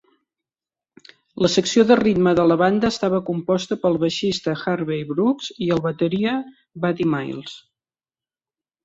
La secció de ritme de la banda estava composta pel baixista Harvey Brooks i el bateria Buddy Miles.